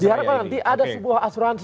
biarkan nanti ada sebuah asuransi